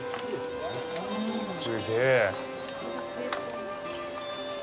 すげえ。